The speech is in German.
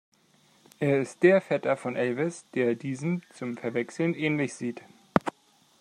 Er ist der Vetter von Elvis, der diesem zum Verwechseln ähnlich sieht.